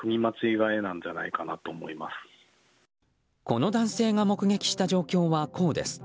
この男性が目撃した状況はこうです。